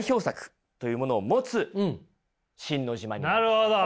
なるほど！